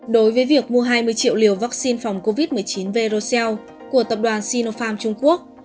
đối với việc mua hai mươi triệu liều vaccine phòng covid một mươi chín verocel của tập đoàn sinopharm trung quốc